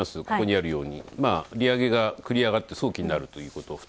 ここにあるように、利上げが繰り上がって早期になるということ。